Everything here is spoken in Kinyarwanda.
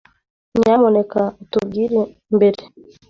Nyamuneka utubwire mbere